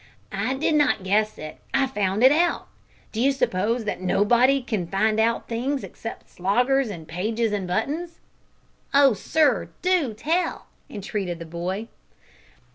"I did not guess it, I found it out. Do you suppose that nobody can find out things except Sloggers and pages in buttons?" "Oh, sir, do tell!" entreated the boy.